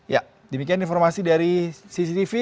ya demikian informasi dari cctv